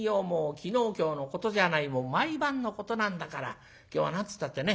昨日今日のことじゃない毎晩のことなんだから今日は何つったってね